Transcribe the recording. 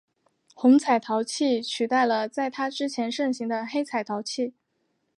红彩陶器取代了在它之前盛行的黑彩陶器。